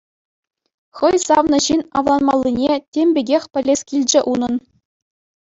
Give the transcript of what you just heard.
Хӑй савнӑ ҫын авланманнине тем пекех пӗлес килчӗ унӑн.